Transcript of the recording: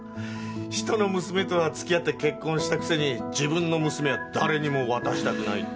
ひとの娘とは付き合って結婚したくせに自分の娘は誰にも渡したくないって。